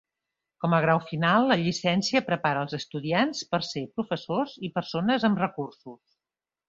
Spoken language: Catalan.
Com a grau final, la llicència prepara els estudiants per ser professors i persones amb recursos.